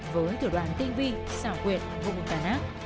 với thủ đoán tinh vi xảo quyền vụ tài sản